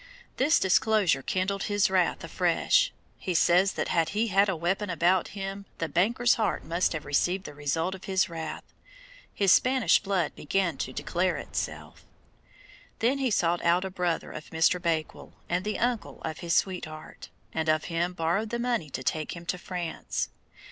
This disclosure kindled his wrath afresh. He says that had he had a weapon about him the banker's heart must have received the result of his wrath. His Spanish blood began to declare itself. Then he sought out a brother of Mr. Bakewell and the uncle of his sweetheart, and of him borrowed the money to take him to France.